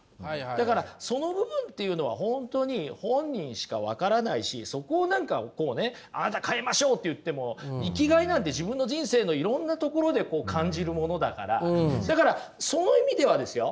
だからその部分っていうのは本当に本人しか分からないしそこを何かこうね「あなた変えましょう」って言っても生きがいなんて自分の人生のいろんなところで感じるものだからだからその意味ではですよ